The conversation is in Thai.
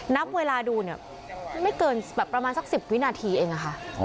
นับเวลาดูเนี่ยไม่เกินแบบประมาณสัก๑๐วินาทีเองอะค่ะ